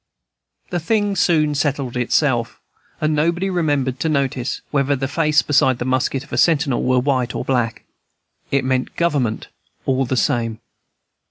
The thing soon settled itself, and nobody remembered to notice whether the face beside the musket of a sentinel were white or black. It meant Government, all the same.